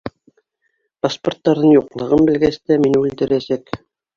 Паспорттарҙың юҡлығын белгәс тә, мине үлтерәсәк!